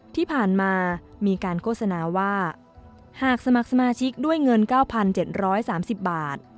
ที่ผ่านมามีการโฆษณาว่าหากสมัครสมาชิกด้วยเงิน๙๗๓๐บาท